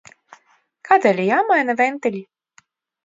Kādēļ ir jāmaina ventiļi?